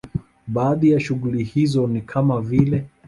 Baadhi ya shughuli hizo ni kama vile